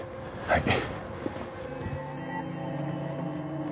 はい。